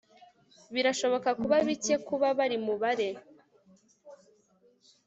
Birashobora kuba bike kuba bari mubare